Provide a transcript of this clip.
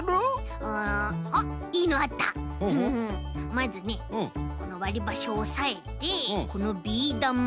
まずねこのわりばしをおさえてこのビーだまを。